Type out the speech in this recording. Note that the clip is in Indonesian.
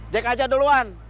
jack aja duluan